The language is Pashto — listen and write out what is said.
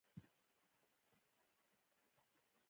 سهار د رڼا له غیږې راټوکېږي.